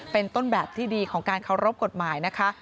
เป็นต้นแบบที่ดีของการเคารพกฎหมายนะคะ